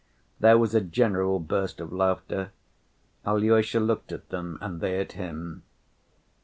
There was a general burst of laughter. Alyosha looked at them, and they at him.